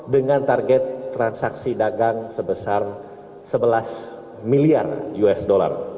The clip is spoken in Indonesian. dengan target transaksi dagang sebesar sebelas miliar usd